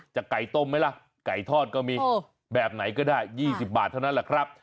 ไก่ต้มไหมล่ะไก่ทอดก็มีแบบไหนก็ได้๒๐บาทเท่านั้นแหละครับ